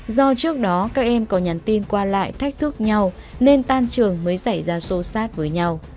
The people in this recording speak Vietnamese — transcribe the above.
do trước đó các em có nhắn tin qua lại thách thức nhau nên tan trường mới xảy ra sô sát với nhau